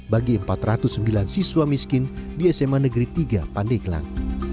bagi empat ratus sembilan siswa miskin di sma negeri tiga pandeglang